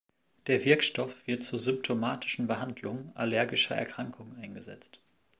Der Wirkstoff wird zur symptomatischen Behandlung allergischer Erkrankungen eingesetzt.